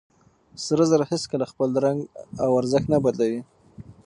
سره زر هيڅکله خپل رنګ او ارزښت نه بدلوي.